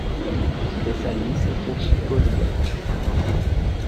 Especialista em consultoria